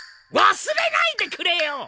わすれないでくれよ！